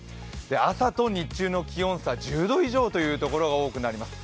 朝と日中の気温差、１０度以上のところが多くなります。